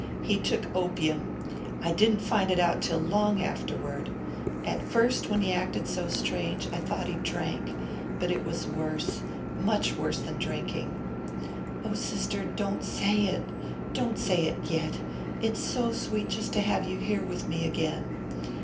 "He took opium. I didn't find it out till long afterward at first, when he acted so strange, I thought he drank. But it was worse, much worse than drinking." "Oh, sister, don't say it don't say it yet! It's so sweet just to have you here with me again."